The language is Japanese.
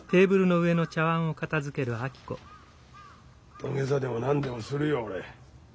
土下座でも何でもするよ俺。